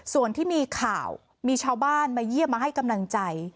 ส่วนที่มีข่าวมีชาวบ้านมาเยี่ยมมาให้กำลังใจ